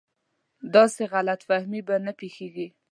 داسې غلط فهمي به نه پېښېږي.